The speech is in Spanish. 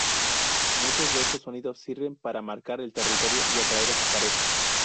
Muchos de estos sonidos sirven para marcar el territorio y atraer a su pareja.